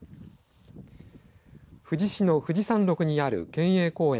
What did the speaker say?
富士市の富士山ろくにある県営公園